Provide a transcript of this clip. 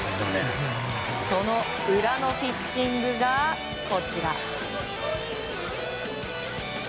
その裏のピッチングがこちら。